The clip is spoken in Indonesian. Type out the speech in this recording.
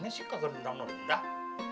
mana sih kagak mendang mendang